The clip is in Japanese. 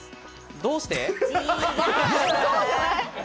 どうして？